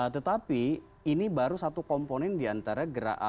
tetapi ini baru satu komponen diantara